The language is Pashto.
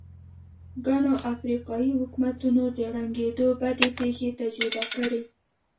ګڼو افریقايي حکومتونو د ړنګېدو بدې پېښې تجربه کړې.